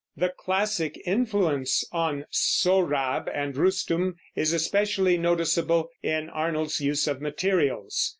The classic influence on Sohrab and Rustum is especially noticeable in Arnold's use of materials.